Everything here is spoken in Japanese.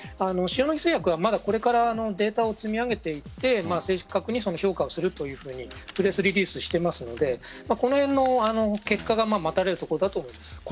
塩野義製薬はこれからデータを積み上げていって正確に評価をするというふうにプレスリリースしていますのでこの辺の結果が待たれるところだと思います。